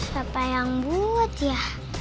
siapa yang buat ya